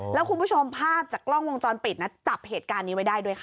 แล้วคุณผู้ชมภาพจากกล้องวงจรปิดนะจับเหตุการณ์นี้ไว้ได้ด้วยค่ะ